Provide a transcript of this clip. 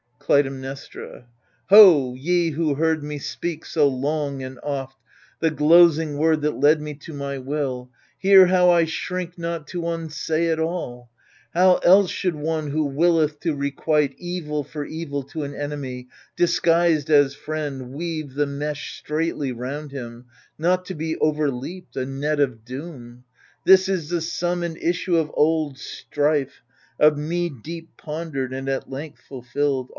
Clytemnestra Ho, ye who heard me speak so long and oft The glozing word that led me to my will — Hear how I shrink not to unsay it all ! How else should one who willeth to requite Evil for evil to an enemy Disguised as friend, weave the mesh straitly roimd him, Not to be overleaped, a net of doom ? This is the sum and issue of old strife. Of me deep pondered and at length fulfilled.